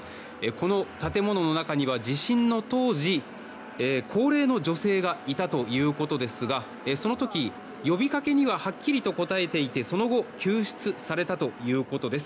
この建物の中には地震の当時高齢の女性がいたということですがその時、呼びかけにははっきりと答えていてその後救出されたということです。